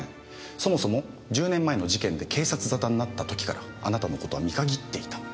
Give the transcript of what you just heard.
そもそも１０年前の事件で警察沙汰になった時からあなたの事は見限っていた。